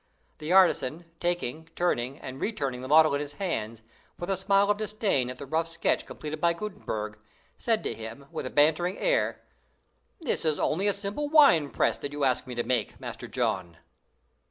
The artisan, taking, turning, and re turning the model in his hands, with a smile of disdain at the rough sketch completed by Gutenberg, said to him, with a bantering air: "'This is only a simple wine press that you ask me to make, Master John!